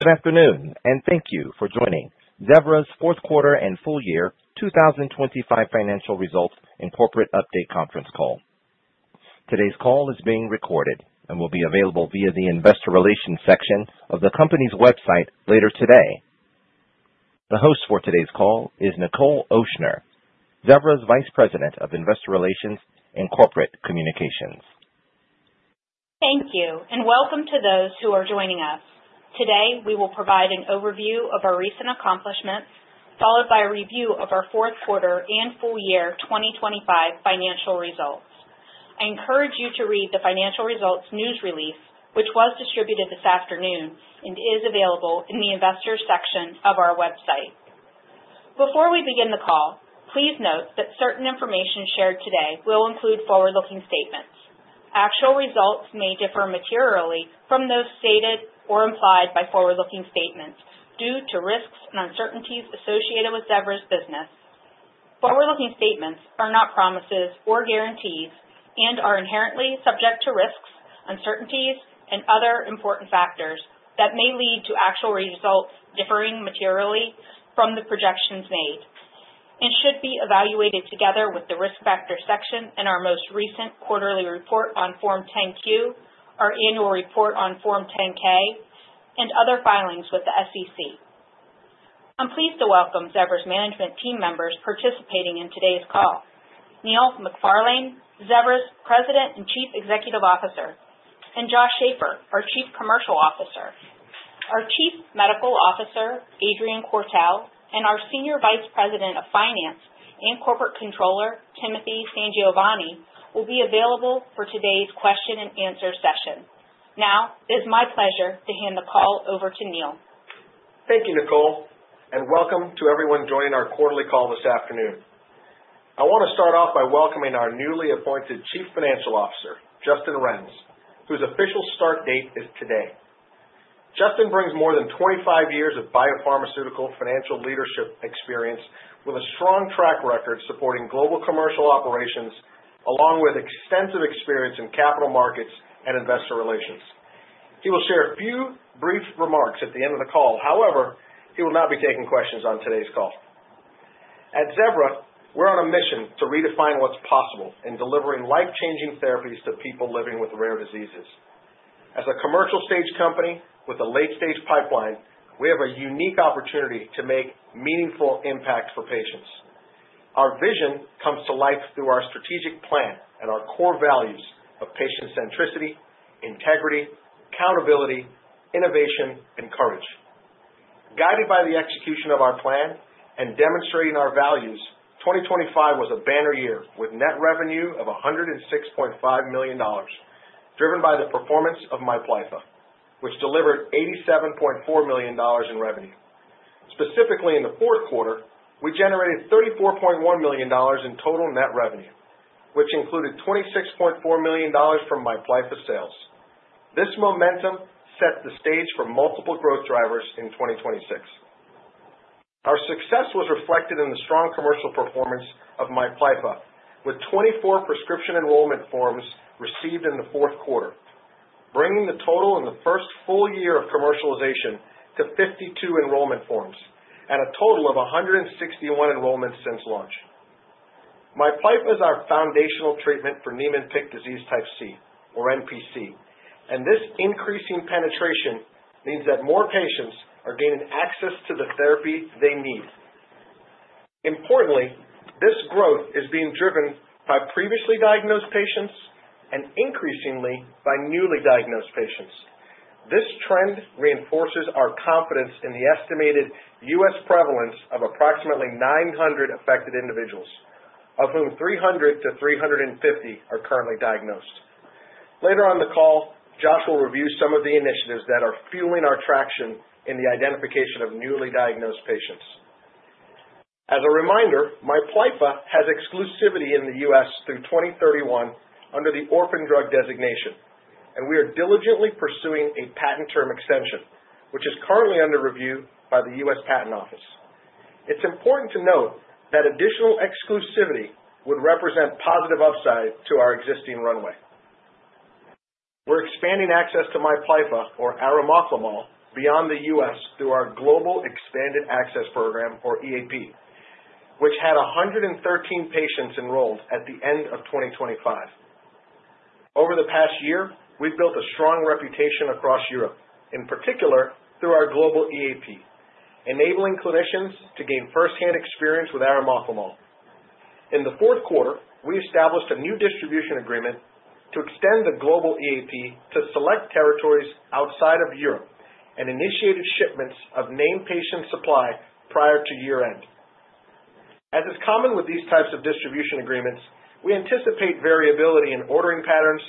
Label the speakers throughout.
Speaker 1: Good afternoon. Thank you for joining Zevra's fourth quarter and full year 2025 financial results and corporate update conference call. Today's call is being recorded and will be available via the investor relations section of the company's website later today. The host for today's call is Nichol Ochsner, Zevra's Vice President of Investor Relations and Corporate Communications.
Speaker 2: Thank you and welcome to those who are joining us. Today, we will provide an overview of our recent accomplishments, followed by a review of our fourth quarter and full year 2025 financial results. I encourage you to read the financial results news release, which was distributed this afternoon and is available in the investors section of our website. Before we begin the call, please note that certain information shared today will include forward-looking statements. Actual results may differ materially from those stated or implied by forward-looking statements due to risks and uncertainties associated with Zevra's business. Forward-looking statements are not promises or guarantees and are inherently subject to risks, uncertainties and other important factors that may lead to actual results differing materially from the projections made and should be evaluated together with the Risk Factors section in our most recent quarterly report on Form 10-Q, our annual report on Form 10-K and other filings with the SEC. I'm pleased to welcome Zevra's management team members participating in today's call. Neil McFarlane, Zevra's President and Chief Executive Officer and Josh Schafer, our Chief Commercial Officer. Our Chief Medical Officer, Adrian Quartel and our Senior Vice President of Finance and Corporate Controller, Timothy Sangiovanni, will be available for today's question-and-answer session. It's my pleasure to hand the call over to Neil.
Speaker 3: Thank you, Nicole and welcome to everyone joining our quarterly call this afternoon. I wanna start off by welcoming our newly appointed Chief Financial Officer, Justin Renz, whose official start date is today. Justin brings more than 25 years of biopharmaceutical financial leadership experience with a strong track record supporting global commercial operations, along with extensive experience in capital markets and investor relations. He will share a few brief remarks at the end of the call. However, he will not be taking questions on today's call. At Zevra, we're on a mission to redefine what's possible in delivering life-changing therapies to people living with rare diseases. As a commercial stage company with a late-stage pipeline, we have a unique opportunity to make meaningful impacts for patients. Our vision comes to life through our strategic plan and our core values of patient centricity, integrity, accountability, innovation and courage. Guided by the execution of our plan and demonstrating our values, 2025 was a banner year with net revenue of $106.5 million, driven by the performance of MIPLYFFA, which delivered $87.4 million in revenue. Specifically in the fourth quarter, we generated $34.1 million in total net revenue, which included $26.4 million from MIPLYFFA sales. This momentum set the stage for multiple growth drivers in 2026. Our success was reflected in the strong commercial performance of MIPLYFFA, with 24 prescription enrollment forms received in the fourth quarter, bringing the total in the first full year of commercialization to 52 enrollment forms and a total of 161 enrollments since launch. MIPLYFFA is our foundational treatment for Niemann-Pick disease type C, or NPC. This increasing penetration means that more patients are gaining access to the therapy they need. Importantly, this growth is being driven by previously diagnosed patients and increasingly by newly diagnosed patients. This trend reinforces our confidence in the estimated U.S. prevalence of approximately 900 affected individuals, of whom 300-350 are currently diagnosed. Later on the call, Josh will review some of the initiatives that are fueling our traction in the identification of newly diagnosed patients. As a reminder, MIPLYFFA has exclusivity in the U.S. through 2031 under the Orphan Drug Designation. We are diligently pursuing a patent term extension, which is currently under review by the U.S. Patent Office. It's important to note that additional exclusivity would represent positive upside to our existing runway. We're expanding access to MIPLYFFA or arimoclomol beyond the U.S. through our global expanded access program or EAP, which had 113 patients enrolled at the end of 2025. Over the past year, we've built a strong reputation across Europe, in particular through our global EAP, enabling clinicians to gain firsthand experience with arimoclomol. In the fourth quarter, we established a new distribution agreement to extend the global EAP to select territories outside of Europe and initiated shipments of named patient supply prior to year-end. As is common with these types of distribution agreements, we anticipate variability in ordering patterns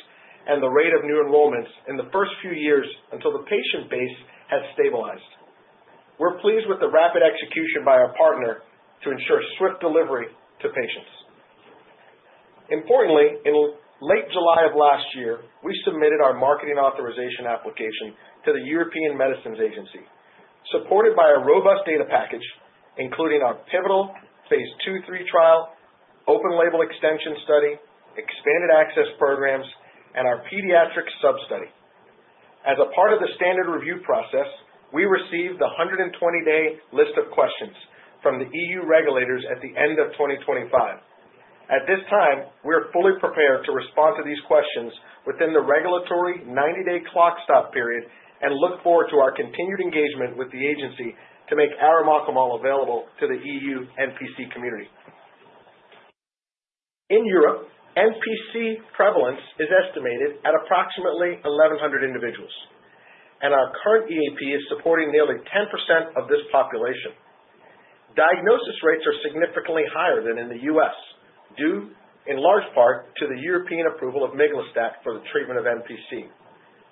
Speaker 3: and the rate of new enrollments in the first few years until the patient base has stabilized. We're pleased with the rapid execution by our partner to ensure swift delivery to patients. Importantly, in late July of last year, we submitted our Marketing Authorisation Application to the European Medicines Agency, supported by a robust data package, including our pivotal Phase II/III trial Open-label extension study, expanded access programs and our pediatric sub-study. As a part of the standard review process, we received a 120-day list of questions from the EU regulators at the end of 2025. At this time, we're fully prepared to respond to these questions within the regulatory 90-day clock stop period and look forward to our continued engagement with the agency to make arimoclomol available to the EU NPC community. In Europe, NPC prevalence is estimated at approximately 1,100 individuals and our current EAP is supporting nearly 10% of this population. Diagnosis rates are significantly higher than in the U.S. due in large part to the European approval of miglustat for the treatment of NPC,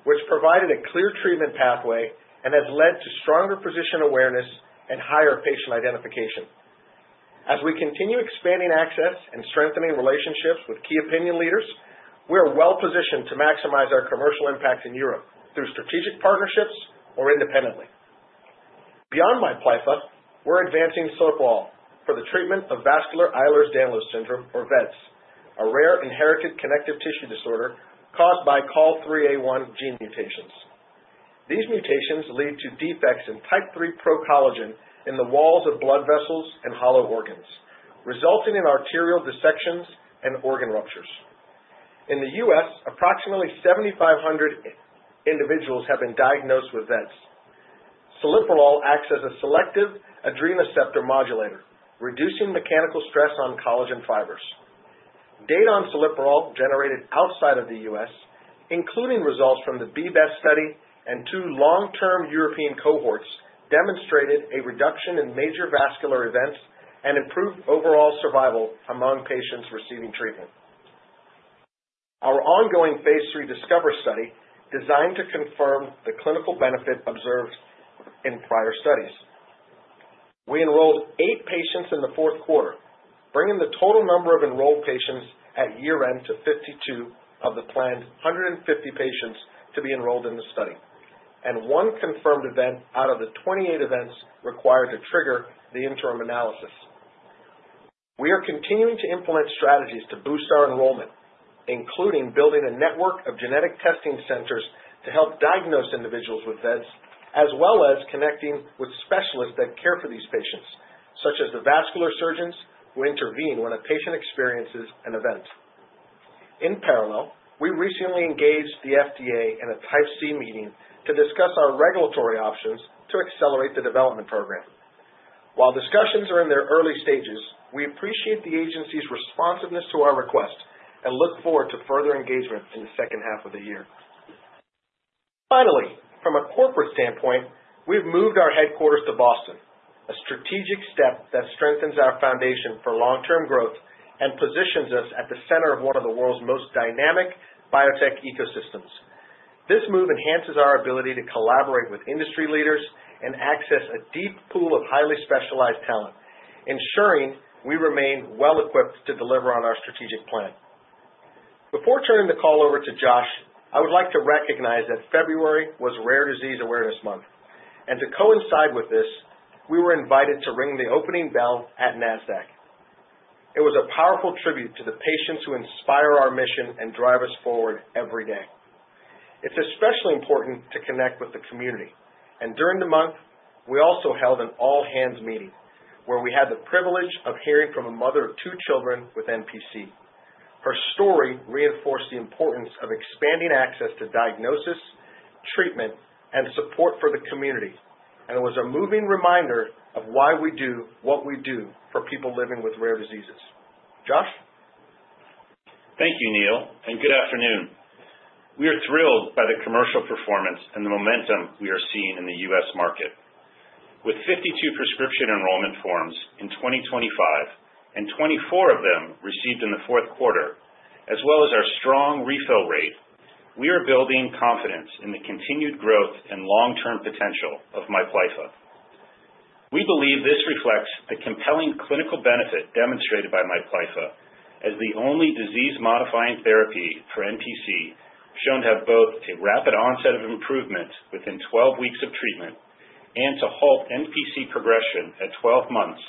Speaker 3: which provided a clear treatment pathway and has led to stronger physician awareness and higher patient identification. As we continue expanding access and strengthening relationships with key opinion leaders, we are well-positioned to maximize our commercial impact in Europe through strategic partnerships or independently. Beyond MIPLYFFA, we're advancing celiprolol for the treatment of vascular Ehlers-Danlos syndrome, or vEDS, a rare inherited connective tissue disorder caused by COL3A1 gene mutations. These mutations lead to defects in type III procollagen in the walls of blood vessels and hollow organs, resulting in arterial dissections and organ ruptures. In the U.S., approximately 7,500 individuals have been diagnosed with vEDS. Celiprolol acts as a selective adrenoceptor modulator, reducing mechanical stress on collagen fibers. Data on celiprolol generated outside of the U.S., including results from the BBEST study and two long-term European cohorts, demonstrated a reduction in major vascular events and improved overall survival among patients receiving treatment. Our ongoing phase III DiSCOVER Study designed to confirm the clinical benefit observed in prior studies. We enrolled eight patients in the fourth quarter, bringing the total number of enrolled patients at year-end to 52 of the planned 150 patients to be enrolled in the study and one confirmed event out of the 28 events required to trigger the interim analysis. We are continuing to implement strategies to boost our enrollment, including building a network of genetic testing centers to help diagnose individuals with vEDS, as well as connecting with specialists that care for these patients, such as the vascular surgeons who intervene when a patient experiences an event. In parallel, we recently engaged the FDA in a Type C meeting to discuss our regulatory options to accelerate the development program. While discussions are in their early stages, we appreciate the agency's responsiveness to our request and look forward to further engagement in the second half of the year. Finally, from a corporate standpoint, we've moved our headquarters to Boston, a strategic step that strengthens our foundation for long-term growth and positions us at the center of one of the world's most dynamic biotech ecosystems. This move enhances our ability to collaborate with industry leaders and access a deep pool of highly specialized talent, ensuring we remain well-equipped to deliver on our strategic plan. Before turning the call over to Josh, I would like to recognize that February was Rare Disease Awareness Month. To coincide with this, we were invited to ring the opening bell at Nasdaq. It was a powerful tribute to the patients who inspire our mission and drive us forward every day. It's especially important to connect with the community. During the month, we also held an all-hands meeting where we had the privilege of hearing from a mother of two children with NPC. Her story reinforced the importance of expanding access to diagnosis, treatment and support for the community and it was a moving reminder of why we do what we do for people living with rare diseases. Josh?
Speaker 4: Thank you, Neil. Good afternoon. We are thrilled by the commercial performance and the momentum we are seeing in the U.S. market. With 52 prescription enrollment forms in 2025 and 24 of them received in the fourth quarter, as well as our strong refill rate, we are building confidence in the continued growth and long-term potential of MIPLYFFA. We believe this reflects the compelling clinical benefit demonstrated by MIPLYFFA as the only disease-modifying therapy for NPC, shown to have both a rapid onset of improvement within 12 weeks of treatment and to halt NPC progression at 12 months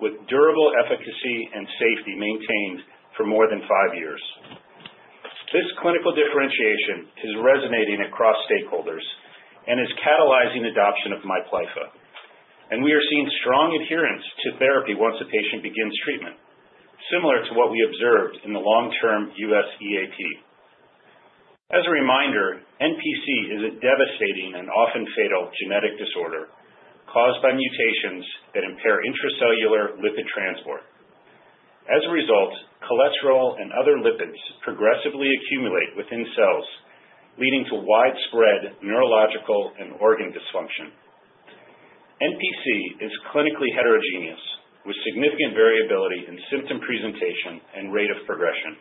Speaker 4: with durable efficacy and safety maintained for more than five years. This clinical differentiation is resonating across stakeholders and is catalyzing adoption of MIPLYFFA. We are seeing strong adherence to therapy once a patient begins treatment, similar to what we observed in the long-term U.S. EAP. A reminder, NPC is a devastating and often fatal genetic disorder caused by mutations that impair intracellular lipid transport. As a result, cholesterol and other lipids progressively accumulate within cells, leading to widespread neurological and organ dysfunction. NPC is clinically heterogeneous, with significant variability in symptom presentation and rate of progression.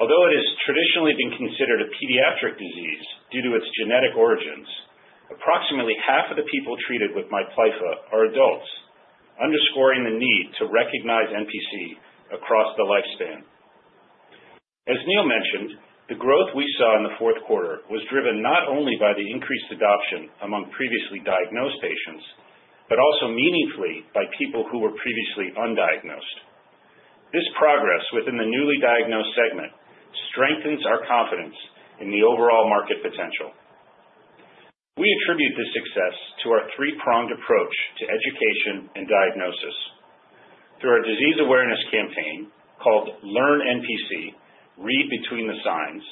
Speaker 4: Although it has traditionally been considered a pediatric disease due to its genetic origins, approximately half of the people treated with MIPLYFFA are adults, underscoring the need to recognize NPC across the lifespan. Neil mentioned, the growth we saw in the fourth quarter was driven not only by the increased adoption among previously diagnosed patients but also meaningfully by people who were previously undiagnosed. This progress within the newly diagnosed segment strengthens our confidence in the overall market potential. We attribute this success to our three-pronged approach to education and diagnosis through our disease awareness campaign called Learn NPC: Read Between the Signs,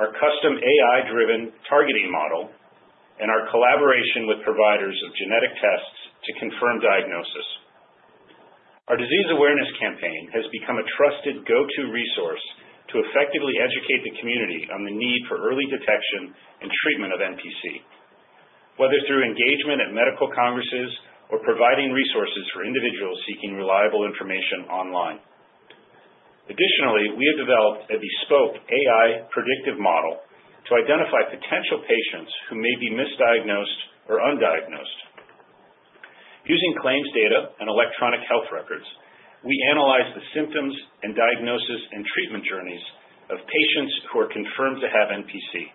Speaker 4: our custom AI-driven targeting model and our collaboration with providers of genetic tests to confirm diagnosis. Our disease awareness campaign has become a trusted go-to resource to effectively educate the community on the need for early detection and treatment of NPC, whether through engagement at medical congresses or providing resources for individuals seeking reliable information online. We have developed a bespoke AI predictive model to identify potential patients who may be misdiagnosed or undiagnosed. Using claims data and electronic health records, we analyze the symptoms and diagnosis and treatment journeys of patients who are confirmed to have NPC.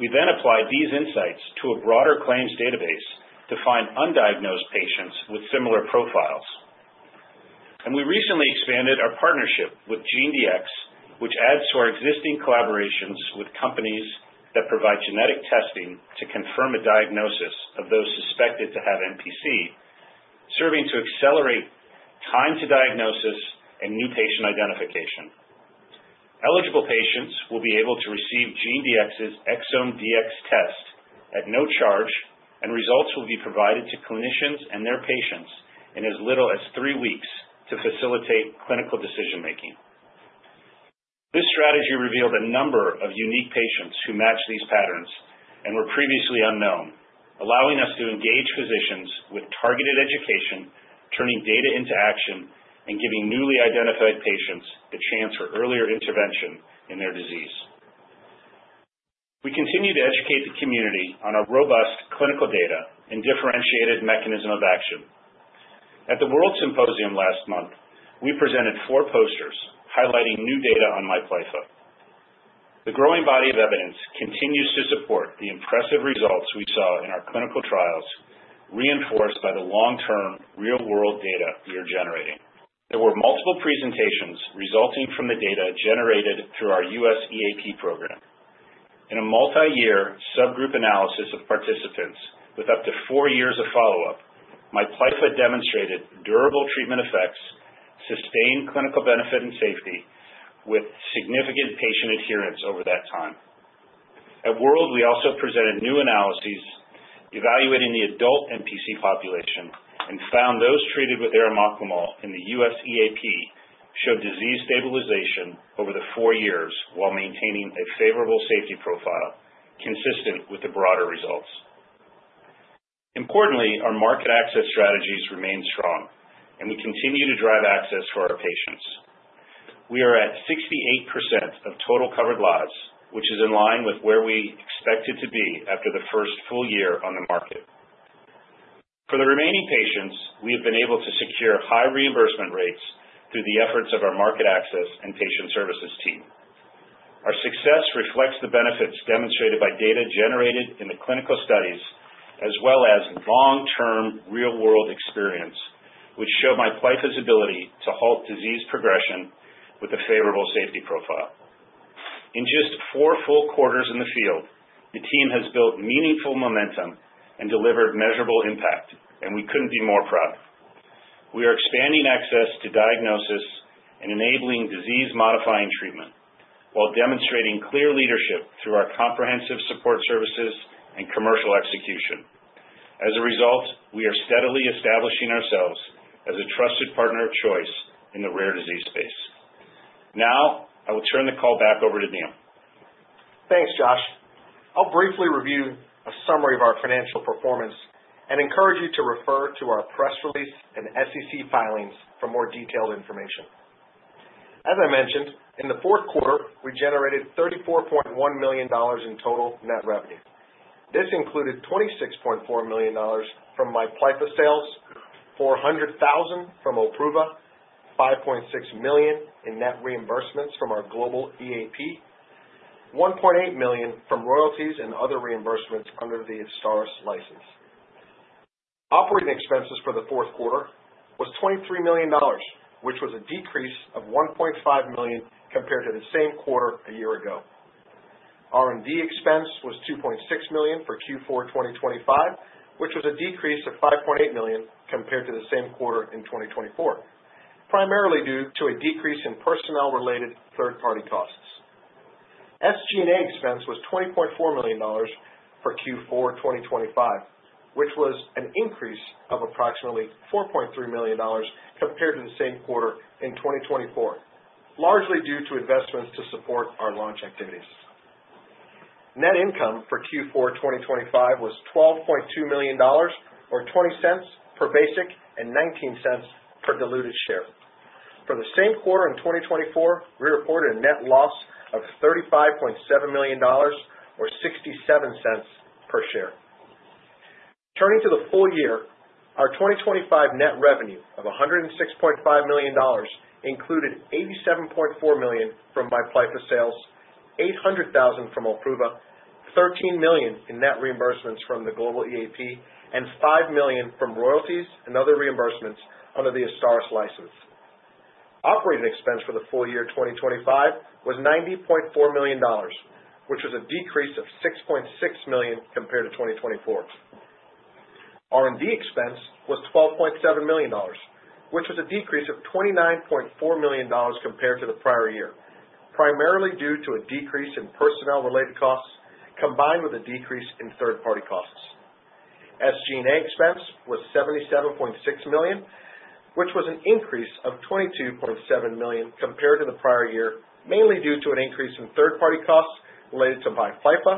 Speaker 4: We apply these insights to a broader claims database to find undiagnosed patients with similar profiles. We recently expanded our partnership with GeneDx, which adds to our existing collaborations with companies that provide genetic testing to confirm a diagnosis of those suspected to have NPC, serving to accelerate time to diagnosis and new patient identification. Eligible patients will be able to receive GeneDx's ExomeDx test at no charge and results will be provided to clinicians and their patients in as little as three weeks to facilitate clinical decision-making. This strategy revealed a number of unique patients who match these patterns and were previously unknown, allowing us to engage physicians with targeted education, turning data into action and giving newly identified patients a chance for earlier intervention in their disease. We continue to educate the community on our robust clinical data and differentiated mechanism of action. At the WORLDSymposium last month, we presented four posters highlighting new data on MIPLYFFA. The growing body of evidence continues to support the impressive results we saw in our clinical trials, reinforced by the long-term real-world data we are generating. There were multiple presentations resulting from the data generated through our U.S. EAP program. In a multiyear subgroup analysis of participants with up to four years of follow-up, MIPLYFFA demonstrated durable treatment effects, sustained clinical benefit and safety, with significant patient adherence over that time. At World, we also presented new analyses evaluating the adult NPC population and found those treated with arimoclomol in the U.S. EAP showed disease stabilization over the four years while maintaining a favorable safety profile consistent with the broader results. Importantly, our market access strategies remain strong and we continue to drive access for our patients. We are at 68% of total covered lives, which is in line with where we expect it to be after the first full year on the market. For the remaining patients, we have been able to secure high reimbursement rates through the efforts of our market access and patient services team. Our success reflects the benefits demonstrated by data generated in the clinical studies, as well as long-term real-world experience, which show MIPLYFFA's ability to halt disease progression with a favorable safety profile. In just four full quarters in the field, the team has built meaningful momentum and delivered measurable impact. We couldn't be more proud. We are expanding access to diagnosis and enabling disease-modifying treatment while demonstrating clear leadership through our comprehensive support services and commercial execution. As a result, we are steadily establishing ourselves as a trusted partner of choice in the rare disease space. Now, I will turn the call back over to Neil.
Speaker 3: Thanks, Josh. I'll briefly review a summary of our financial performance and encourage you to refer to our press release and SEC filings for more detailed information. As I mentioned, in the fourth quarter, we generated $34.1 million in total net revenue. This included $26.4 million from MIPLYFFA sales, $400,000 from OLPRUVA, $5.6 million in net reimbursements from our global EAP, $1.8 million from royalties and other reimbursements under the AZSTARYS license. Operating expenses for the fourth quarter was $23 million, which was a decrease of $1.5 million compared to the same quarter a year ago. R&D expense was $2.6 million for Q4 2025, which was a decrease of $5.8 million compared to the same quarter in 2024, primarily due to a decrease in personnel-related third-party costs. SG&A expense was $20.4 million for Q4 2025, which was an increase of approximately $4.3 million compared to the same quarter in 2024, largely due to investments to support our launch activities. Net income for Q4 2025 was $12.2 million or $0.20 per basic and $0.19 per diluted share. For the same quarter in 2024, we reported a net loss of $35.7 million or $0.67 per share. Turning to the full year, our 2025 net revenue of $106.5 million included $87.4 million from MIPLYFFA sales, $800,000 from OLPRUVA, $13 million in net reimbursements from the global EAP and $5 million from royalties and other reimbursements under the AZSTARYS license. Operating expense for the full year 2025 was $90.4 million which was a decrease of $6.6 million compared to 2024. R&D expense was $12.7 million, which was a decrease of $29.4 million compared to the prior year, primarily due to a decrease in personnel related costs, combined with a decrease in third-party costs. SG&A expense was $77.6 million, which was an increase of $22.7 million compared to the prior year, mainly due to an increase in third party costs related to MIPLYFFA,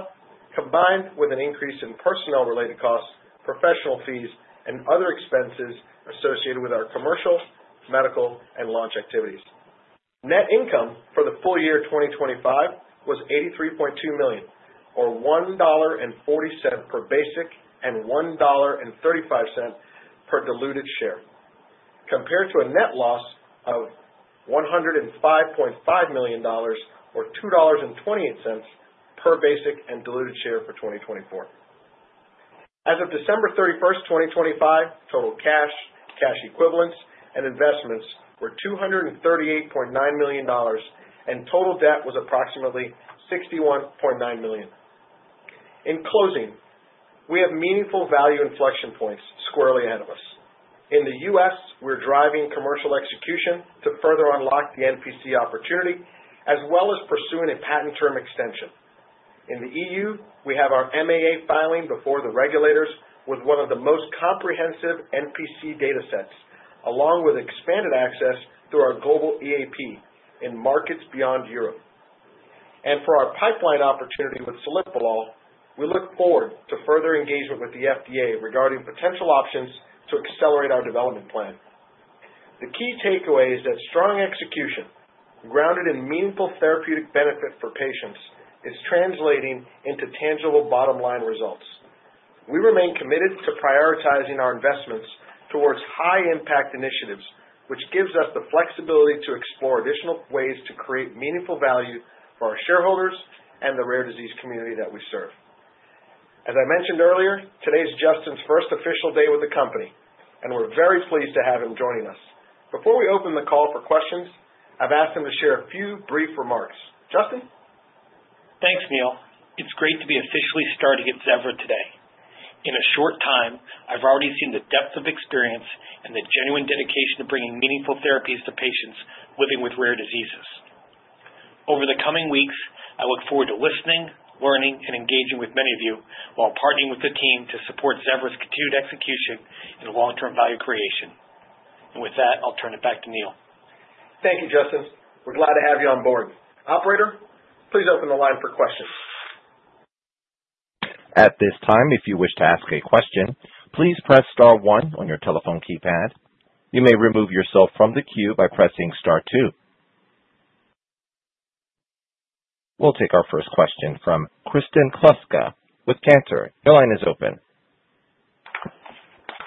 Speaker 3: combined with an increase in personnel related costs, professional fees and other expenses associated with our commercial, medical and launch activities. Net income for the full year 2025 was $83.2 million or $1.40 per basic and $1.35 per diluted share, compared to a net loss of $105.5 million or $2.20 per basic and diluted share for 2024. As of 31 December 2025, total cash equivalents and investments were $238.9 million and total debt was approximately $61.9 million. In closing, we have meaningful value inflection points squarely ahead of us. In the U.S., we're driving commercial execution to further unlock the NPC opportunity, as well as pursuing a patent term extension. In the EU, we have our MAA filing before the regulators with one of the most comprehensive NPC datasets, along with expanded access through our global EAP in markets beyond Europe. For our pipeline opportunity with celiprolol, we look forward to further engagement with the FDA regarding potential options to accelerate our development plan. The key takeaway is that strong execution, grounded in meaningful therapeutic benefit for patients, is translating into tangible bottom-line results. We remain committed to prioritizing our investments towards high impact initiatives which gives us the flexibility to explore additional ways to create meaningful value for our shareholders and the rare disease community that we serve. As I mentioned earlier, today's Justin's first official day with the company. We're very pleased to have him joining us. Before we open the call for questions, I've asked him to share a few brief remarks. Justin.
Speaker 5: Thanks, Neil. It's great to be officially starting at Zevra today. In a short time, I've already seen the depth of experience and the genuine dedication to bringing meaningful therapies to patients living with rare diseases. Over the coming weeks, I look forward to listening, learning and engaging with many of you while partnering with the team to support Zevra's continued execution and long-term value creation. With that, I'll turn it back to Neil.
Speaker 3: Thank you. Justin. We're glad to have you on board. Operator, please open the line for questions.
Speaker 1: At this time, if you wish to ask a question, please press star one on your telephone keypad. You may remove yourself from the queue by pressing star two. We'll take our first question from Kristen Kluska with Cantor. Your line is open.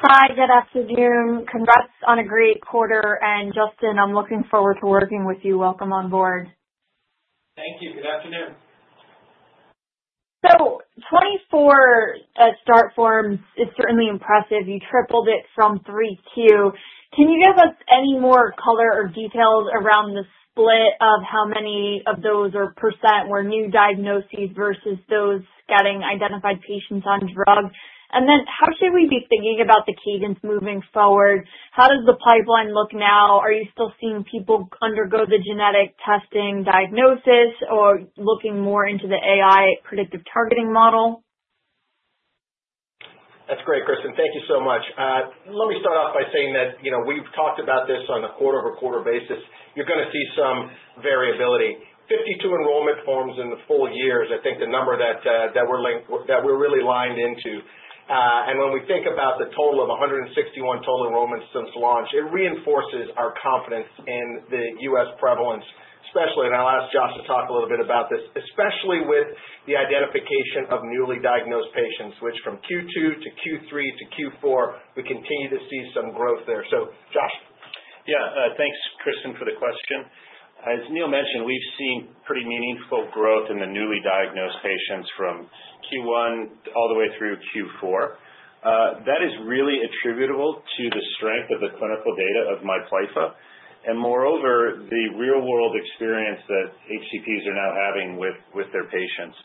Speaker 6: Hi, good afternoon. Congrats on a great quarter. Justin, I'm looking forward to working with you. Welcome on board.
Speaker 5: Thank you. Good afternoon.
Speaker 6: 2024, start form is certainly impressive. You tripled it from 3Q. Can you give us any more color or details around the split of how many of those or % were new diagnoses versus those getting identified patients on drug? Then how should we be thinking about the cadence moving forward? How does the pipeline look now? Are you still seeing people undergo the genetic testing diagnosis or looking more into the AI predictive targeting model?
Speaker 3: That's great, Kristen. Thank you so much. Let me start off by saying that, you know, we've talked about this on a quarter-over-quarter basis. You're gonna see some variability. 52 enrollment forms in the full year is I think the number that we're really lined into. When we think about the total of 161 total enrollments since launch, it reinforces our confidence in the U.S. prevalence especially and I'll ask Joshua to talk a little bit about this, especially with the identification of newly diagnosed patients, which from Q2 to Q3 to Q4, we continue to see some growth there. Joshua?
Speaker 4: Thanks, Kristen, for the question. As Neil mentioned, we've seen pretty meaningful growth in the newly diagnosed patients from Q1 all the way through Q4. That is really attributable to the strength of the clinical data of MIPLYFFA. Moreover, the real-world experience that HCPs are now having with their patients.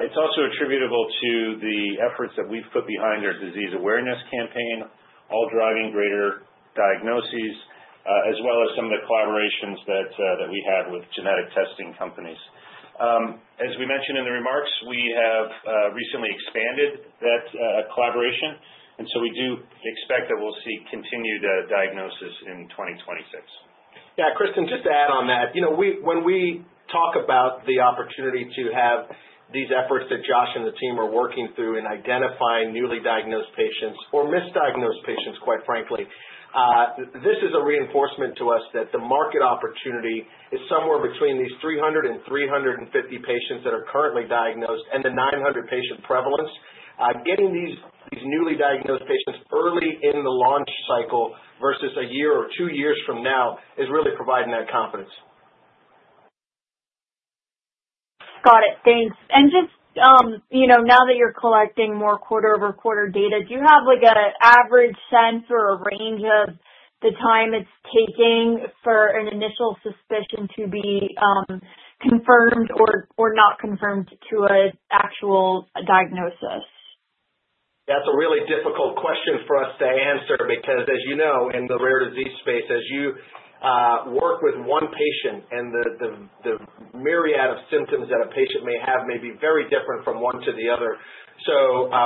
Speaker 4: It's also attributable to the efforts that we've put behind our disease awareness campaign, all driving greater diagnoses, as well as some of the collaborations that we have with genetic testing companies. As we mentioned in the remarks, we have recently expanded that collaboration and so we do expect that we'll see continued diagnosis in 2026.
Speaker 3: Yeah. Kristen, just to add on that, you know, when we talk about the opportunity to have these efforts that Josh and the team are working through in identifying newly diagnosed patients or misdiagnosed patients, quite frankly. This is a reinforcement to us that the market opportunity is somewhere between these 300 and 350 patients that are currently diagnosed and the 900 patient prevalence. Getting these newly diagnosed patients early in the launch cycle versus a year or two years from now is really providing that confidence.
Speaker 6: Got it. Thanks. Just, you know, now that you're collecting more quarter-over-quarter data, do you have like an average sense or a range of the time it's taking for an initial suspicion to be confirmed or not confirmed to a actual diagnosis?
Speaker 3: That's a really difficult question for us to answer because, as you know, in the rare disease space, as you work with one patient and the myriad of symptoms that a patient may have may be very different from one to the other.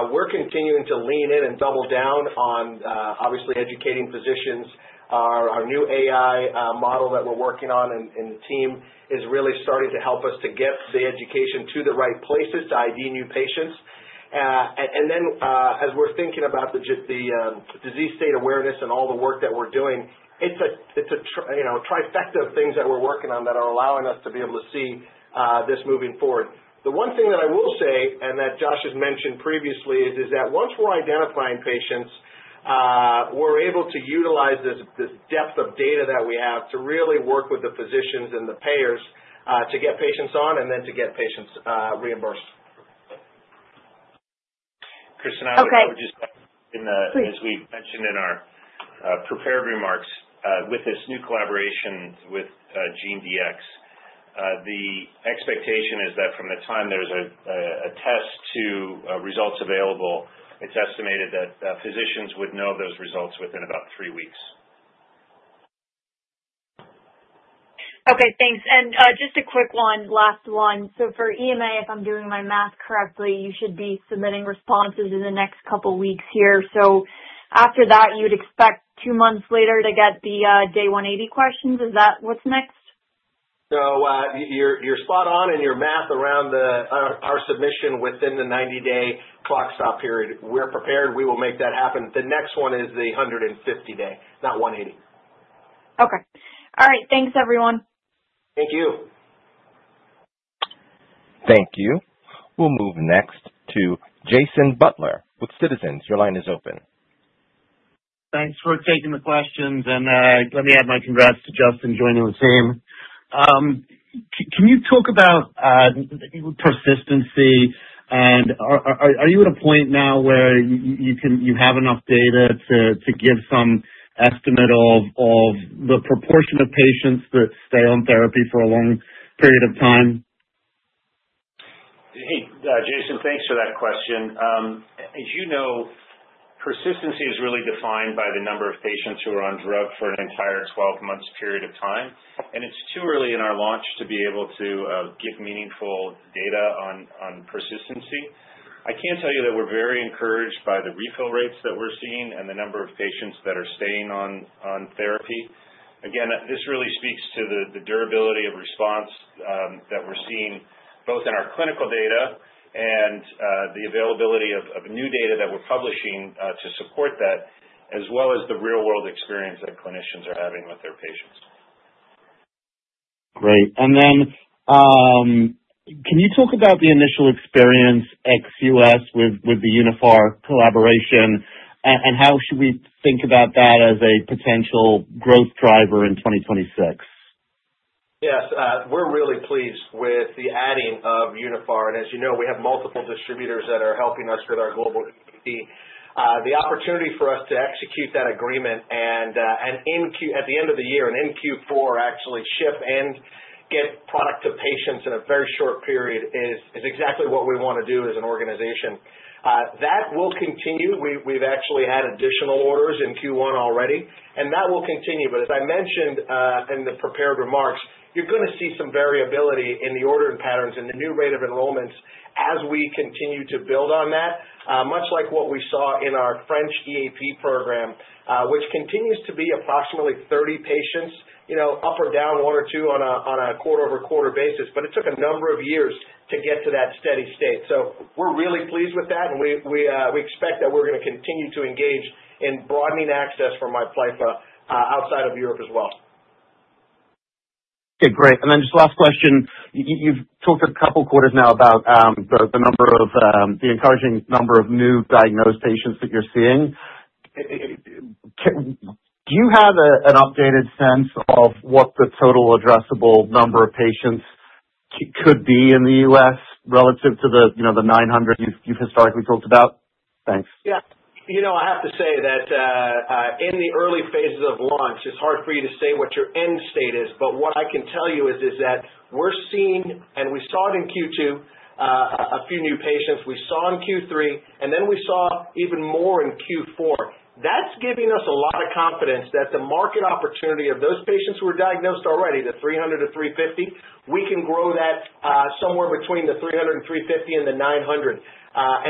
Speaker 3: We're continuing to lean in and double down on obviously educating physicians. Our, our new AI model that we're working on and the team is really starting to help us to get the education to the right places to ID new patients. Then, as we're thinking about the just, the disease state awareness and all the work that we're doing, it's a, it's a you know, trifecta of things that we're working on that are allowing us to be able to see this moving forward. The one thing that I will say and that Josh has mentioned previously is that once we're identifying patients, we're able to utilize this depth of data that we have to really work with the physicians and the payers, to get patients on and then to get patients reimbursed.
Speaker 6: Okay.
Speaker 4: Kristen, I would. As we mentioned in our prepared remarks, with this new collaboration with GeneDx, the expectation is that from the time there's a test to results available, it's estimated that physicians would know those results within about three weeks.
Speaker 6: Okay, thanks. Just a quick one, last one. For EMA, if I'm doing my math correctly, you should be submitting responses in the next couple weeks here. After that, you'd expect two months later to get the Day 180 questions. Is that what's next?
Speaker 3: You're spot on in your math around the, our submission within the 90-day clock stop period. We're prepared. We will make that happen. The next one is the 150-day, not 180.
Speaker 6: Okay. All right. Thanks, everyone.
Speaker 3: Thank you.
Speaker 1: Thank you. We'll move next to Jason Butler with Citizens. Your line is open.
Speaker 7: Thanks for taking the questions. Let me add my congrats to Justin joining the team. Can you talk about persistency and are you at a point now where you have enough data to give some estimate of the proportion of patients that stay on therapy for a long period of time?
Speaker 4: Hey, Jason. Thanks for that question. As you know, persistency is really defined by the number of patients who are on drug for an entire 12 months period of time and it's too early in our launch to be able to give meaningful data on persistency. I can tell you that we're very encouraged by the refill rates that we're seeing and the number of patients that are staying on therapy. Again, this really speaks to the durability of response that we're seeing both in our clinical data and the availability of new data that we're publishing to support that, as well as the real-world experience that clinicians are having with their patients.
Speaker 7: Great. Can you talk about the initial experience ex-U.S. with the Uniphar collaboration and how should we think about that as a potential growth driver in 2026?
Speaker 3: Yes. We're really pleased with the adding of Uniphar. As you know, we have multiple distributors that are helping us with our global. The opportunity for us to execute that agreement and at the end of the year and in Q4, actually ship and get product to patients in a very short period is exactly what we wanna do as an organization. That will continue. We've actually had additional orders in Q1 already and that will continue. As I mentioned, in the prepared remarks, you're gonna see some variability in the ordering patterns and the new rate of enrollments as we continue to build on that, much like what we saw in our French EAP program, which continues to be approximately 30 patients, you know, up or down one or two on a quarter-over-quarter basis, it took a number of years to get to that steady state. We're really pleased with that and we expect that we're gonna continue to engage in broadening access for MIPLYFFA outside of Europe as well.
Speaker 7: Okay, great. Just last question. You've talked a couple quarters now about the number of the encouraging number of new diagnosed patients that you're seeing. Do you have an updated sense of what the total addressable number of patients could be in the U.S. relative to the, you know, the 900 you've historically talked about? Thanks.
Speaker 3: Yeah. You know, I have to say that in the early phases of launch, it's hard for you to say what your end state is but what I can tell you is that we're seeing and we saw it in Q2, a few new patients we saw in Q3 and then we saw even more in Q4. That's giving us a lot of confidence that the market opportunity of those patients who are diagnosed already, the 300-350, we can grow that somewhere between the 300 and 350 and the 900.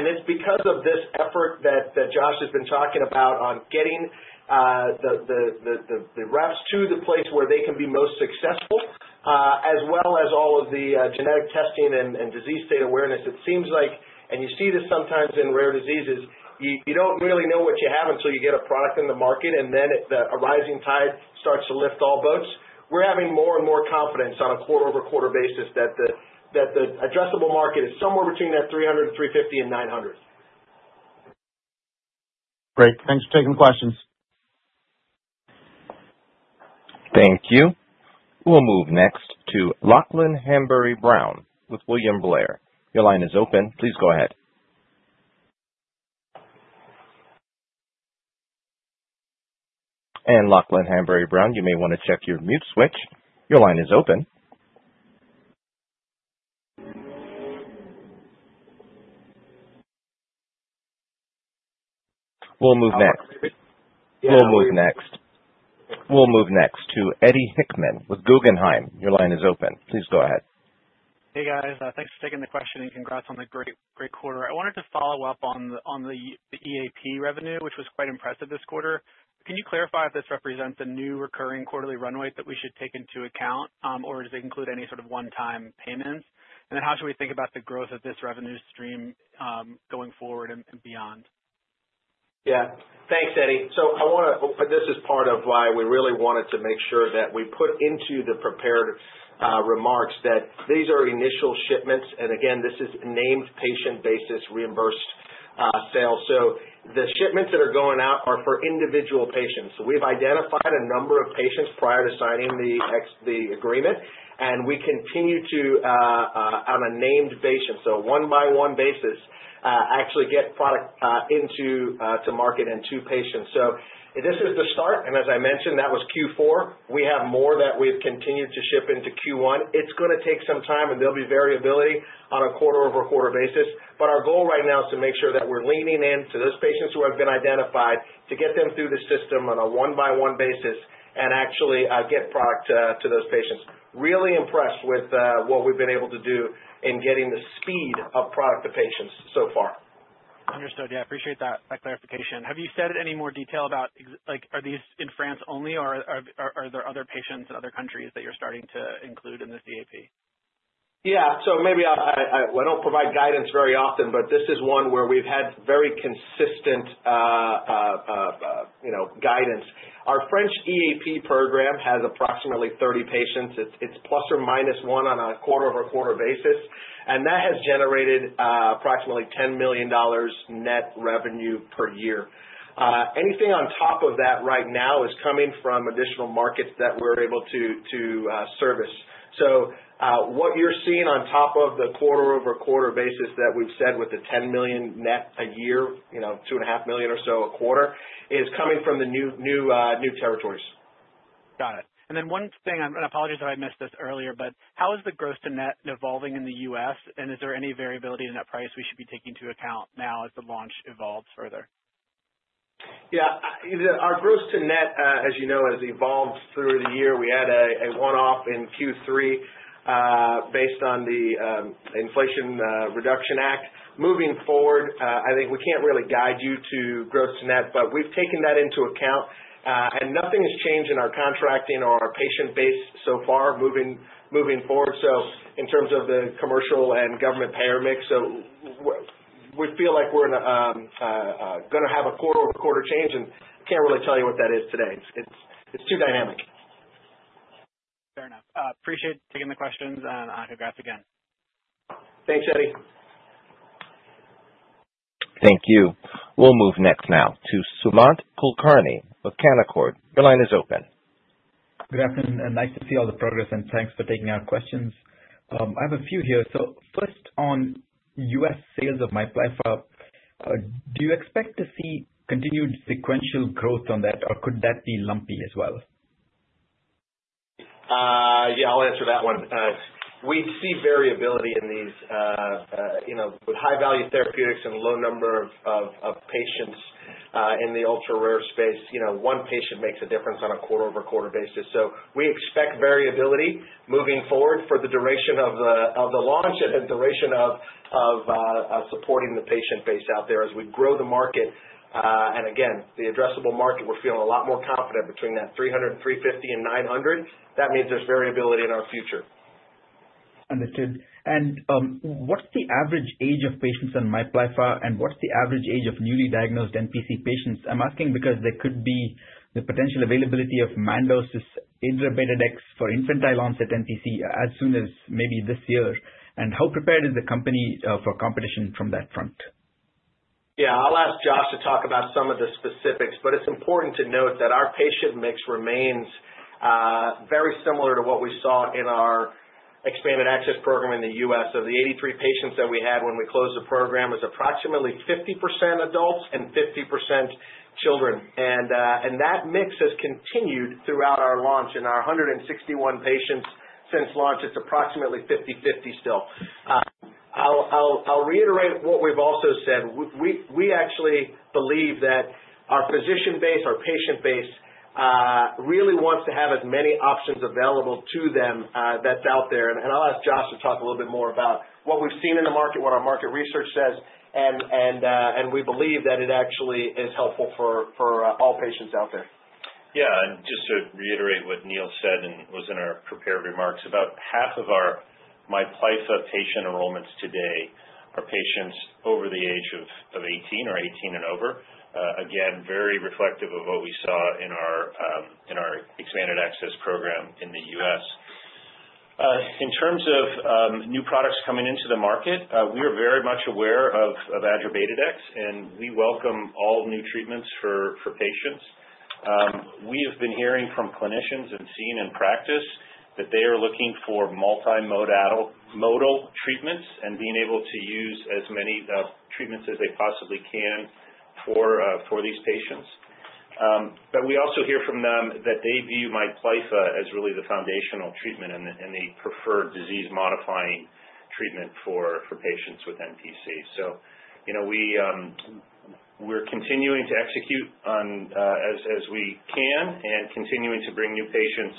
Speaker 3: It's because of this effort that Josh has been talking about on getting the reps to the place where they can be most successful, as well as all of the genetic testing and disease state awareness. It seems like you see this sometimes in rare diseases, you don't really know what you have until you get a product in the market, then a rising tide starts to lift all boats. We're having more and more confidence on a quarter-over-quarter basis that the addressable market is somewhere between that $300 million and $350 million and $900 million.
Speaker 7: Great. Thanks for taking the questions.
Speaker 1: Thank you. We'll move next to Lachlan Hanbury-Brown with William Blair. Your line is open. Please go ahead. Lachlan Hanbury-Brown, you may wanna check your mute switch. Your line is open. We'll move next to Eddie Hickman with Guggenheim. Your line is open. Please go ahead.
Speaker 8: Hey, guys. Thanks for taking the question and congrats on the great quarter. I wanted to follow up on the EAP revenue, which was quite impressive this quarter. Can you clarify if this represents a new recurring quarterly runway that we should take into account or does it include any sort of one-time payments? How should we think about the growth of this revenue stream, going forward and beyond?
Speaker 3: Yeah. Thanks, Eddie. This is part of why we really wanted to make sure that we put into the prepared remarks that these are initial shipments and again, this is named patient basis reimbursed sales. The shipments that are going out are for individual patients. We've identified a number of patients prior to signing the agreement and we continue to on a named patient, so one by one basis, actually get product into to market and to patients. This is the start and as I mentioned that was Q4. We have more that we've continued to ship into Q1. It's gonna take some time and there'll be variability on a quarter-over-quarter basis. Our goal right now is to make sure that we're leaning in to those patients who have been identified to get them through the system on a one-by-one basis and actually, get product to those patients. Really impressed with what we've been able to do in getting the speed of product to patients so far.
Speaker 8: Understood. Yeah, appreciate that clarification. Have you said any more detail about like, are these in France only or are there other patients in other countries that you're starting to include in this EAP?
Speaker 3: I don't provide guidance very often but this is one where we've had very consistent, you know, guidance. Our French EAP program has approximately 30 patients. It's ±1 on a quarter-over-quarter basis, that has generated approximately $10 million net revenue per year. Anything on top of that right now is coming from additional markets that we're able to service. What you're seeing on top of the quarter-over-quarter basis that we've said with the $10 million net a year, you know, $2.5 million or so a quarter is coming from the new territories.
Speaker 8: Got it. One thing and I apologize if I missed this earlier but how is the gross to net evolving in the U.S. and is there any variability in that price we should be taking into account now as the launch evolves further?
Speaker 3: Yeah. Either our gross to net, as you know, has evolved through the year. We had a one-off in Q3, based on the Inflation Reduction Act. Moving forward, I think we can't really guide you to gross to net but we've taken that into account and nothing has changed in our contracting or our patient base so far moving forward, so in terms of the commercial and government payer mix. We feel like we're in, gonna have a quarter-over-quarter change and can't really tell you what that is today. It's too dynamic.
Speaker 8: Fair enough. Appreciate taking the questions and congrats again.
Speaker 3: Thanks, Eddie.
Speaker 1: Thank you. We'll move next now to Sumant Kulkarni with Canaccord. Your line is open.
Speaker 9: Good afternoon, nice to see all the progress and thanks for taking our questions. I have a few here. First on U.S. sales of MIPLYFFA, do you expect to see continued sequential growth on that, or could that be lumpy as well?
Speaker 4: Yeah, I'll answer that one. We see variability in these, you know, with high-value therapeutics and low number of patients in the ultra-rare space. You know, 1 patient makes a difference on a quarter-over-quarter basis. We expect variability moving forward for the duration of the launch and the duration of supporting the patient base out there as we grow the market. Again, the addressable market, we're feeling a lot more confident between that 300, 350 and 900. That means there's variability in our future.
Speaker 9: Understood. What's the average age of patients on MIPLYFFA and what's the average age of newly diagnosed NPC patients? I'm asking because there could be the potential availability of Mandos' Adrabetadex for infantile onset NPC as soon as maybe this year. How prepared is the company for competition from that front?
Speaker 3: I'll ask Josh to talk about some of the specifics but it's important to note that our patient mix remains very similar to what we saw in our expanded access program in the U.S. The 83 patients that we had when we closed the program was approximately 50% adults and 50% children. That mix has continued throughout our launch. In our 161 patients since launch, it's approximately 50-50 still. I'll reiterate what we've also said. We actually believe that our physician base, our patient base really wants to have as many options available to them that's out there. I'll ask Josh to talk a little bit more about what we've seen in the market, what our market research says and we believe that it actually is helpful for all patients out there.
Speaker 4: Just to reiterate what Neil said and was in our prepared remarks, about half of MIPLYFFA patient enrollments today are patients over the age of 18 or 18 and over. Again, very reflective of what we saw in our expanded access program in the U.S. In terms of new products coming into the market, we are very much aware of Adrabetadex, we welcome all new treatments for patients. We have been hearing from clinicians and seeing in practice that they are looking for multimodal treatments and being able to use as many treatments as they possibly can for these patients. We also hear from them that they view MIPLYFFA as really the foundational treatment and the preferred disease-modifying treatment for patients with NPC. You know, we're continuing to execute on, as we can and continuing to bring new patients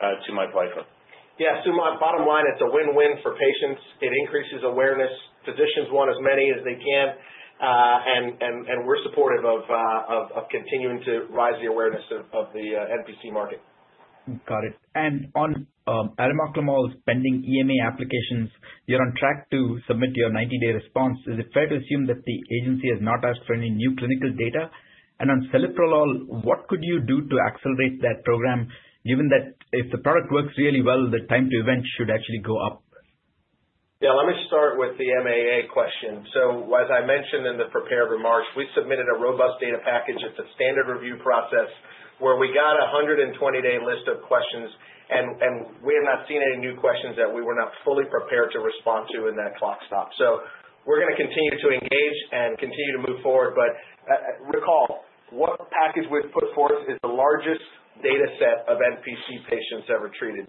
Speaker 4: to MIPLYFFA.
Speaker 3: My bottom line, it's a win-win for patients. It increases awareness. Physicians want as many as they can and we're supportive of continuing to rise the awareness of the NPC market.
Speaker 9: Got it. On arimoclomol pending EMA applications, you're on track to submit your 90-day response. Is it fair to assume that the agency has not asked for any new clinical data? On celiprolol, what could you do to accelerate that program given that if the product works really well, the time to event should actually go up?
Speaker 3: Yeah. Let me start with the MAA question. As I mentioned in the prepared remarks, we submitted a robust data package. It's a standard review process where we got a 120-day list of questions and we have not seen any new questions that we were not fully prepared to respond to in that clock stop. We're gonna continue to engage and continue to move forward. Recall, what package we've put forth is the largest dataset of NPC patients ever treated.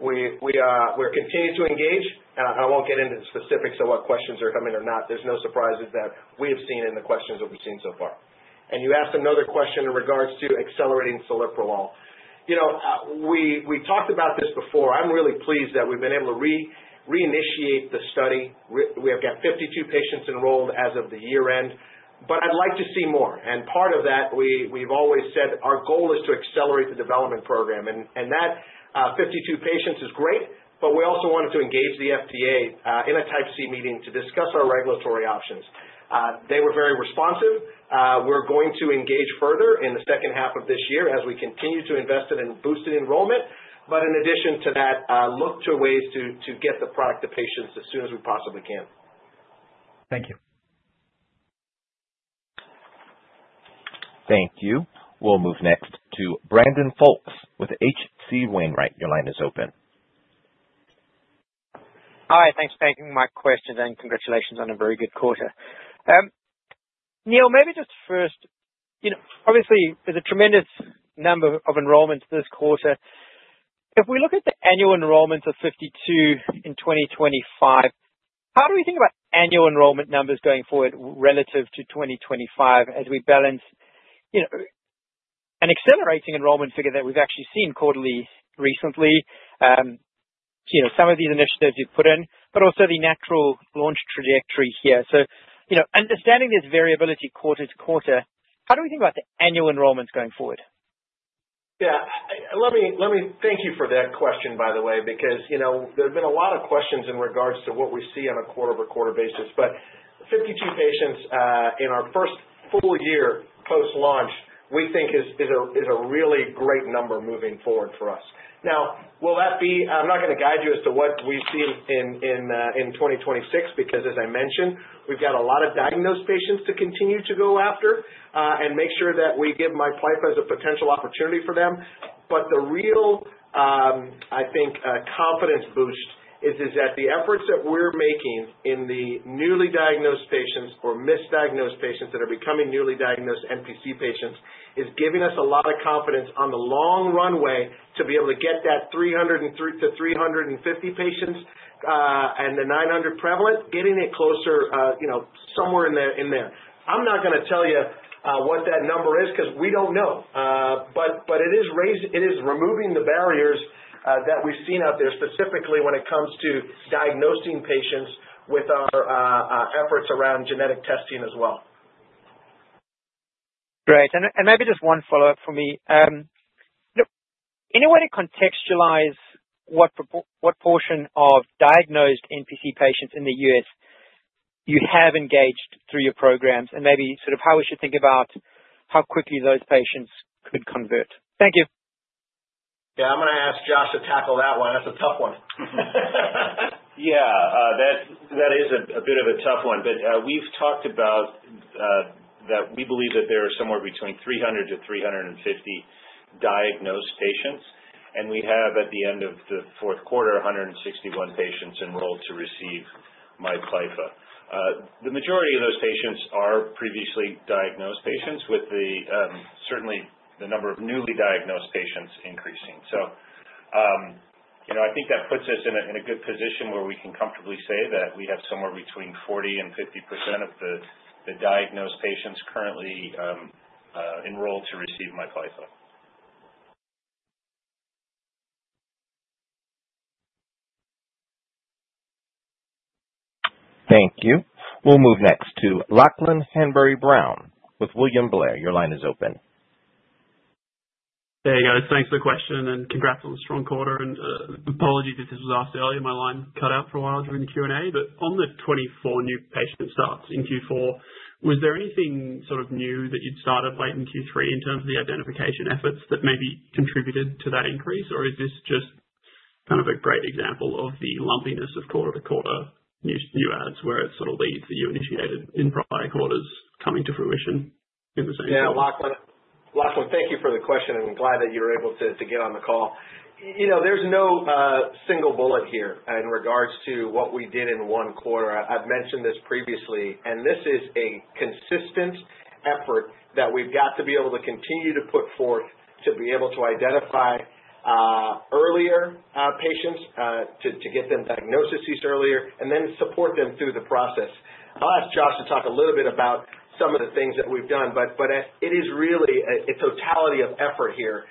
Speaker 3: We're continuing to engage. I won't get into the specifics of what questions are coming or not. There's no surprises that we have seen in the questions that we've seen so far. You asked another question in regards to accelerating celiprolol. You know, we talked about this before. I'm really pleased that we've been able to reinitiate the study. We have got 52 patients enrolled as of the year-end but I'd like to see more. Part of that we've always said our goal is to accelerate the development program. That 52 patients is great but we also wanted to engage the FDA in a Type C meeting to discuss our regulatory options. They were very responsive. We're going to engage further in the second half of this year as we continue to invest in boosted enrollment. In addition to that, look to ways to get the product to patients as soon as we possibly can.
Speaker 9: Thank you.
Speaker 1: Thank you. We'll move next to Brandon Folkes with H.C. Wainwright. Your line is open.
Speaker 10: Hi. Thanks for taking my questions. Congratulations on a very good quarter. Neil, maybe just first, you know, obviously there's a tremendous number of enrollments this quarter. If we look at the annual enrollments of 52 in 2025, how do we think about annual enrollment numbers going forward relative to 2025 as we balance, you know, an accelerating enrollment figure that we've actually seen quarterly recently, you know, some of these initiatives you've put in but also the natural launch trajectory here. You know, understanding this variability quarter to quarter, how do we think about the annual enrollments going forward?
Speaker 3: Yeah. Let me Thank you for that question, by the way, because, you know, there have been a lot of questions in regards to what we see on a quarter-by-quarter basis. 52 patients in our first full year post-launch, we think is a really great number moving forward for us. Now, I'm not gonna guide you as to what we see in 2026 because as I mentioned, we've got a lot of diagnosed patients to continue to go after and make sure that we give MIPLYFFA as a potential opportunity for them. The real, I think, confidence boost is that the efforts that we're making in the newly diagnosed patients or misdiagnosed patients that are becoming newly diagnosed NPC patients is giving us a lot of confidence on the long runway to be able to get that 303-350 patients and the 900 prevalent, getting it closer, you know, somewhere in there, in there. I'm not gonna tell you what that number is 'cause we don't know. It is removing the barriers that we've seen out there, specifically when it comes to diagnosing patients with our efforts around genetic testing as well.
Speaker 10: Great. Maybe just one follow-up for me. Any way to contextualize what portion of diagnosed NPC patients in the U.S. you have engaged through your programs and maybe sort of how we should think about how quickly those patients could convert? Thank you.
Speaker 3: Yeah. I'm gonna ask Josh to tackle that one. That's a tough one.
Speaker 4: Yeah. That is a bit of a tough one. We've talked about that we believe that there are somewhere between 300-350 diagnosed patients and we have, at the end of the fourth quarter, 161 patients enrolled to receive MIPLYFFA. The majority of those patients are previously diagnosed patients with the, certainly the number of newly diagnosed patients increasing. You know, I think that puts us in a good position where we can comfortably say that we have somewhere between 40%-50% of the diagnosed patients currently enrolled to receive MIPLYFFA.
Speaker 1: Thank you. We'll move next to Lachlan Hanbury-Brown with William Blair. Your line is open.
Speaker 11: There you go. Thanks for the question and congrats on a strong quarter and apology if this was asked earlier. My line cut out for a while during the Q&A but on the 24 new patient starts in Q4, was there anything sort of new that you'd started late in Q3 in terms of the identification efforts that maybe contributed to that increase? Or is this just kind of a great example of the lumpiness of quarter-to-quarter new adds, where it sort of leads to you initiated in prior quarters coming to fruition in the same.
Speaker 3: Yeah. Lachlan, thank you for the question and I'm glad that you were able to get on the call. You know, there's no single bullet here in regards to what we did in one quarter. I've mentioned this previously and this is a consistent effort that we've got to be able to continue to put forth to be able to identify earlier patients to get them diagnoses earlier and then support them through the process. I'll ask Josh to talk a little bit about some of the things that we've done but it is really a totality of effort here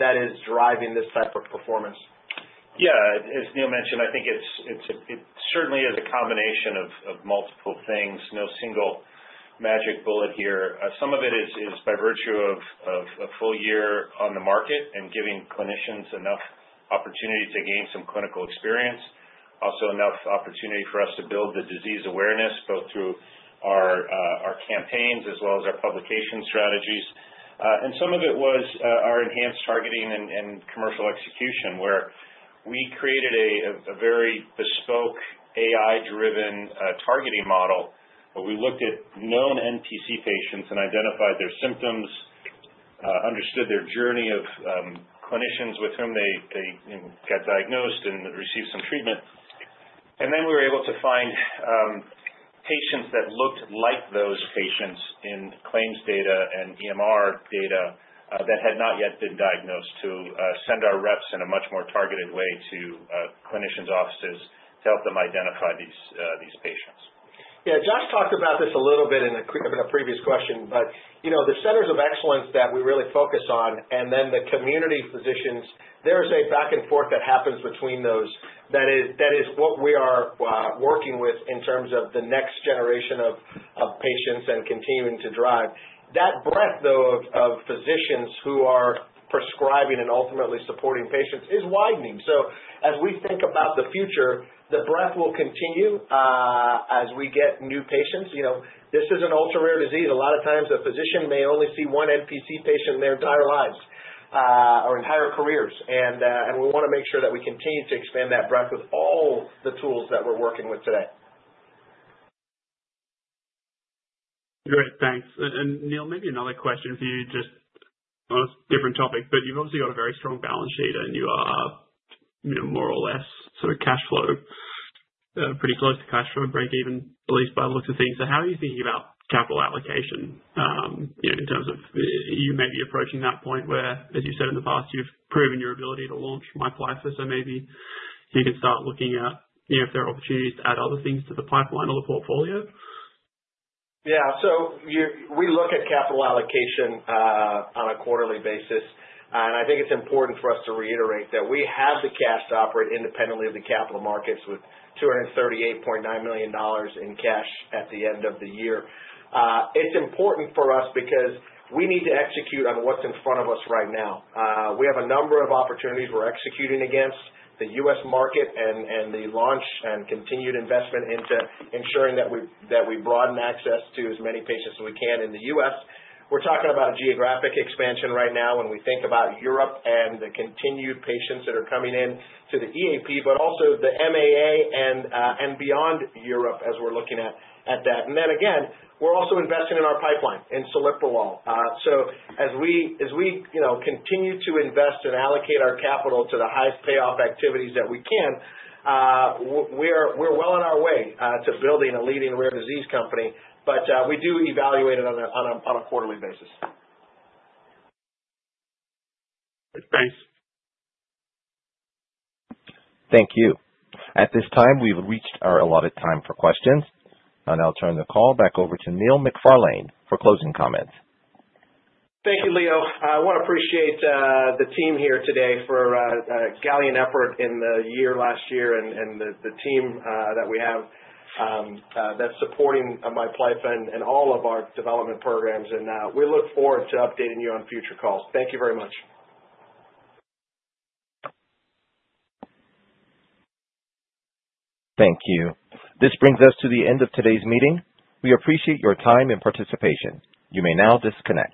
Speaker 3: that is driving this type of performance.
Speaker 4: Yeah. As Neil mentioned, I think it's certainly is a combination of multiple things. No single magic bullet here. Some of it is by virtue of a full year on the market and giving clinicians enough opportunity to gain some clinical experience. Also enough opportunity for us to build the disease awareness, both through our campaigns as well as our publication strategies. Some of it was our enhanced targeting and commercial execution, where we created a very bespoke AI-driven targeting model, where we looked at known NPC patients and identified their symptoms, understood their journey of clinicians with whom they, you know, got diagnosed and received some treatment. We were able to find patients that looked like those patients in claims data and EMR data that had not yet been diagnosed to send our reps in a much more targeted way to clinicians' offices to help them identify these patients.
Speaker 3: Josh talked about this a little bit in a previous question but, you know, the centers of excellence that we really focus on and then the community physicians, there is a back and forth that happens between those. That is, that is what we are working with in terms of the next generation of patients and continuing to drive. That breadth, though, of physicians who are prescribing and ultimately supporting patients is widening. As we think about the future, the breadth will continue as we get new patients. You know, this is an ultra-rare disease. A lot of times a physician may only see one NPC patient in their entire lives or entire careers. We wanna make sure that we continue to expand that breadth with all the tools that we're working with today.
Speaker 11: Great. Thanks. Neil, maybe another question for you, just on a different topic but you've obviously got a very strong balance sheet and you are, you know, more or less sort of cash flow pretty close to cash flow break even, at least by the looks of things. How are you thinking about capital allocation, you know, in terms of you may be approaching that point where, as you said in the past, you've proven your ability to launch MIPLYFFA. Maybe you can start looking at, you know, if there are opportunities to add other things to the pipeline or the portfolio.
Speaker 3: Yeah. We look at capital allocation on a quarterly basis. I think it's important for us to reiterate that we have the cash to operate independently of the capital markets with $238.9 million in cash at the end of the year. It's important for us because we need to execute on what's in front of us right now. We have a number of opportunities we're executing against. The U.S. market and the launch and continued investment into ensuring that we broaden access to as many patients as we can in the U.S. We're talking about geographic expansion right now when we think about Europe and the continued patients that are coming in to the EAP but also the MAA and beyond Europe as we're looking at that. Then again, we're also investing in our pipeline in celiprolol. As we, you know, continue to invest and allocate our capital to the highest payoff activities that we can, we're well on our way to building a leading rare disease company. We do evaluate it on a quarterly basis.
Speaker 11: Thanks.
Speaker 1: Thank you. At this time, we've reached our allotted time for questions. I'll now turn the call back over to Neil MacFarlane for closing comments.
Speaker 3: Thank you, Leo. I wanna appreciate the team here today for a yeoman's effort in the year, last year and the team that we have that's supporting MIPLYFFA and all of our development programs. We look forward to updating you on future calls. Thank you very much.
Speaker 1: Thank you. This brings us to the end of today's meeting. We appreciate your time and participation. You may now disconnect.